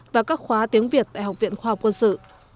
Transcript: và các khóa tiếng việt tại học viện khoa học quân sự